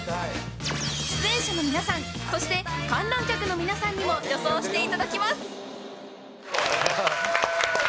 出演者の皆さんそして、観覧客の皆さんにも予想していただきます。